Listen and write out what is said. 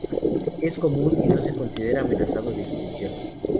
Es común y no se considera amenazado de extinción.